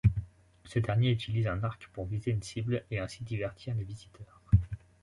Ce dernier utilise un arc pour viser une cible et ainsi divertir les visiteurs.